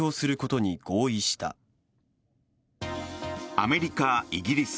アメリカ、イギリス